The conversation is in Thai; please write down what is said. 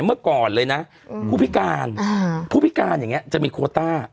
เมื่อก่อนเลยนะผู้พิการผู้พิการอย่างนี้จะมีโคต้า